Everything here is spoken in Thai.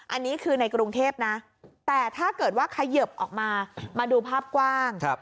อันนี้คือในกรุงเทพนะแต่ถ้าเกิดว่าเขยิบออกมามาดูภาพกว้าง